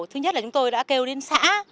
thứ nhất là chúng tôi đã kêu đến xã